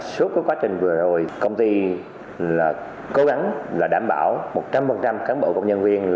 suốt quá trình vừa rồi công ty cố gắng là đảm bảo một trăm linh cán bộ công nhân viên